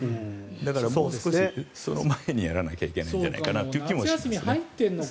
だからもう少しその前にやらなきゃいけないんじゃないかという気もします。